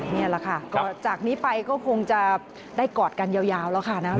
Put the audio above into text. นี่แหละค่ะก็จากนี้ไปก็คงจะได้กอดกันยาวแล้วค่ะนะ